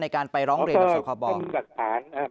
ในการไปร้องเรียนกับศาลกบ